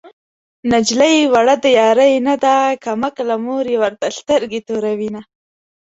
نجلۍ وړه د يارۍ نه ده کم عقله مور يې ورته سترګې توروينه